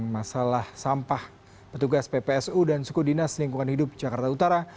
masalah sampah petugas ppsu dan suku dinas lingkungan hidup jakarta utara